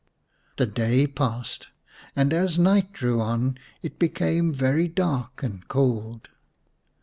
The day passed, and as night drew on it became very dark and cold.